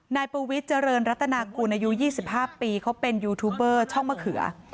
นายปวิทย์เจริญรัตนากุลอายุ๒๕ปีเขาเป็นยูทูบเบอร์ช่องมะเขือ